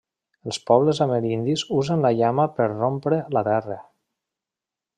Els pobles amerindis usen la llama per rompre la terra.